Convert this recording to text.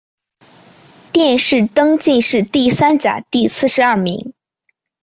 殿试登进士第三甲第四十二名。